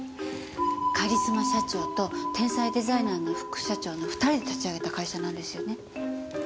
カリスマ社長と天才デザイナーの副社長の２人で立ち上げた会社なんですよね？